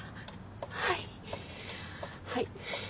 はいはい！